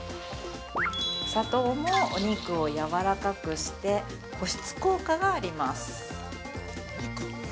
砂糖も、お肉をやわらかくして保湿効果があります。